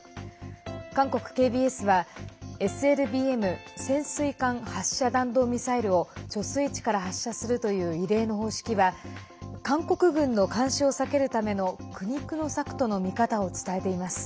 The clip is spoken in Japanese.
韓国ＫＢＳは、ＳＬＢＭ＝潜水艦発射弾道ミサイルを貯水池から発射するという異例の方式は韓国軍の監視を避けるための苦肉の策との見方を伝えています。